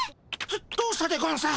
どうしたでゴンス？